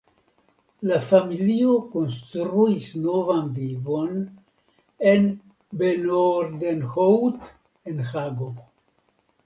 La familio konstruis novan vivon en Benoordenhout en Hago.